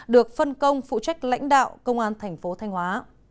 được phân công phụ trách lãnh đạo công an tp thanh hóa